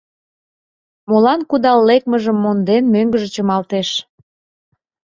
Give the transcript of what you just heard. Молан кудал лекмыжым монден, мӧҥгыжӧ чымалтеш.